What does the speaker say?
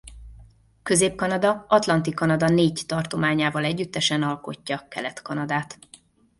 Közép-Kanada Atlanti Kanada négy tartományával együttesen alkotja Kelet-Kanadát.